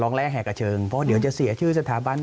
แรกแห่กระเชิงเพราะเดี๋ยวจะเสียชื่อสถาบัน